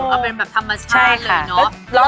เอาเป็นแบบธรรมชาติเลยเนาะ